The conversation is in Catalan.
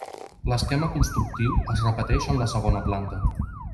L'esquema constructiu es repeteix en la segona planta.